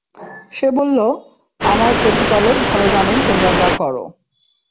সে বলল, আমার প্রতিপালক ভাল জানেন তোমরা যা কর।